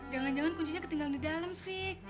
jangan jangan kuncinya ketinggalan di dalam fik